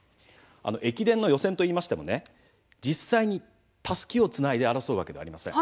駅伝の予選といいましても実際に、たすきをつないで争うわけではありません。